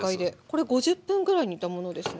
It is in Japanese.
これ５０分くらい煮たものですね。